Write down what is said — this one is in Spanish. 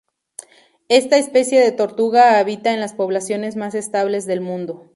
Esta especie de tortuga habita en las poblaciones más estables del mundo.